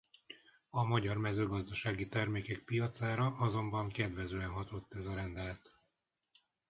A magyar mezőgazdasági termékek piacára azonban kedvezően hatott ez a rendelet.